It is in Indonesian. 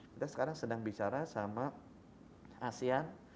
kita sekarang sedang bicara sama asean